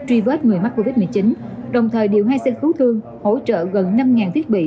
truy vết người mắc covid một mươi chín đồng thời điều hai xe cứu thương hỗ trợ gần năm thiết bị